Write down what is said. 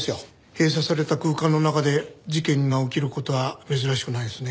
閉鎖された空間の中で事件が起きる事は珍しくないですね。